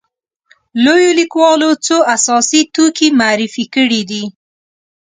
لویو لیکوالو څو اساسي توکي معرفي کړي دي.